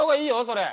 それ。